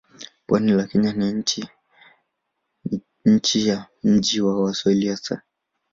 Pwani la Kenya ni nchi ya miji ya Waswahili hasa.